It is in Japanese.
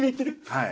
はい。